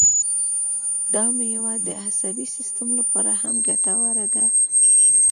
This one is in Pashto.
دا مېوه د عصبي سیستم لپاره هم ګټوره ده.